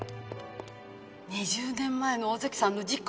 ２０年前の尾崎さんの事故！